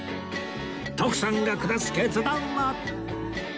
徳さんが下す決断は